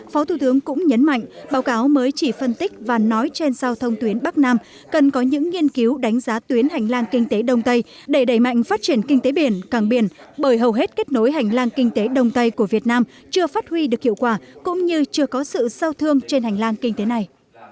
phó thủ tướng cũng nhấn mạnh báo cáo mới chỉ phân tích và nói trên giao thông tuyến bắc nam cần có những nghiên cứu đánh giá tuyến hành lang kinh tế đông tây để đẩy mạnh phát triển kinh tế biển càng biển bởi hầu hết kết nối hành lang kinh tế đông tây của việt nam chưa phát huy được hiệu quả cũng như chưa có sự sâu thương trên hành lang kinh tế này